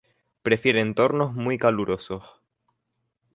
Prefiere entornos muy calurosos.